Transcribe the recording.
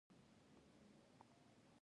مرجانونه په سمندر کې دي